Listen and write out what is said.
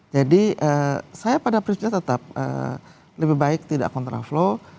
jadi saya pada prinsipnya tetap lebih baik tidak kontraflow